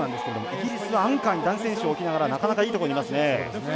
イギリスはアンカーに男子選手を置きながらなかなか、いいところにいますね。